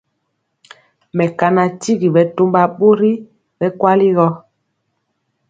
Mekana tyigi bɛtɔmba bori bɛ kweli gɔ.